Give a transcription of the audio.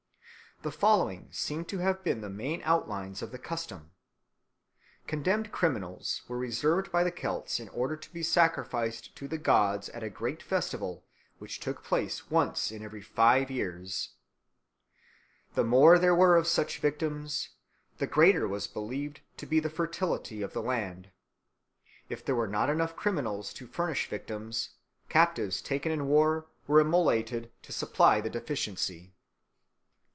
The following seem to have been the main outlines of the custom. Condemned criminals were reserved by the Celts in order to be sacrificed to the gods at a great festival which took place once in every five years. The more there were of such victims, the greater was believed to be the fertility of the land. If there were not enough criminals to furnish victims, captives taken in war were immolated to supply the deficiency.